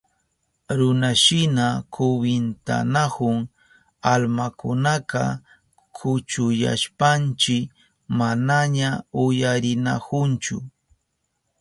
Runashina kwintanahun almakunaka, kuchuyashpanchi manaña uyarinahunchu.